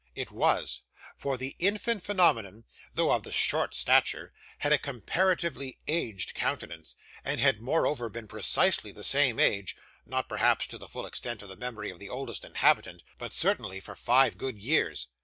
It was; for the infant phenomenon, though of short stature, had a comparatively aged countenance, and had moreover been precisely the same age not perhaps to the full extent of the memory of the oldest inhabitant, but certainly for five good years.